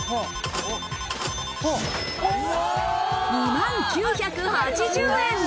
２万９８０円。